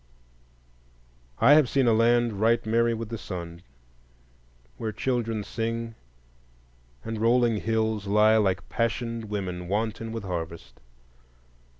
I have seen a land right merry with the sun, where children sing, and rolling hills lie like passioned women wanton with harvest.